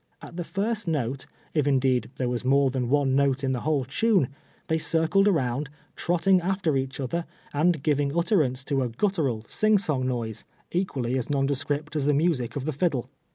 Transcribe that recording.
At the first note, if indeed there was more than one note in the whole tune, they circled around, trotting after eacli other, and giving utterance to a guttural, sing song noise, equally as nondescript as the music of the fiddle.